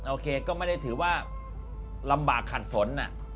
โอเคก็ไม่ได้ถือว่าลำบากขัดสน